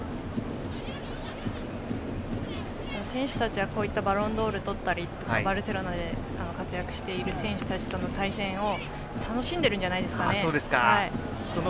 選手たちはバロンドールをとったりバルセロナで活躍している選手たちとの対戦を楽しんでいるんじゃないですかね。